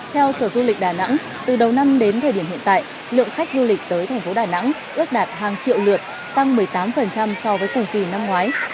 theo sở du lịch đà nẵng từ đầu năm đến thời điểm hiện tại lượng khách du lịch tới thành phố đà nẵng ước đạt hàng triệu lượt tăng một mươi tám so với cùng kỳ năm ngoái